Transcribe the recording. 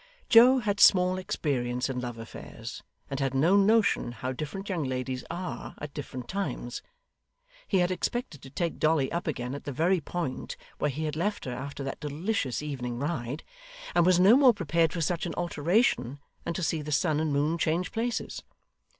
Joe had small experience in love affairs, and had no notion how different young ladies are at different times; he had expected to take Dolly up again at the very point where he had left her after that delicious evening ride, and was no more prepared for such an alteration than to see the sun and moon change places.